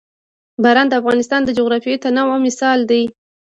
باران د افغانستان د جغرافیوي تنوع مثال دی.